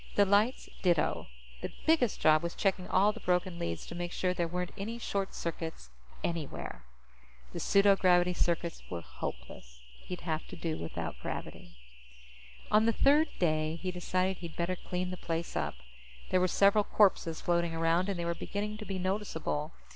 The lights ditto. The biggest job was checking all the broken leads to make sure there weren't any short circuits anywhere. The pseudogravity circuits were hopeless. He'd have to do without gravity. On the third day, he decided he'd better clean the place up. There were several corpses floating around, and they were beginning to be noticeable.